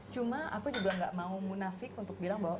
cuma aku juga gak mau munafik untuk bilang bahwa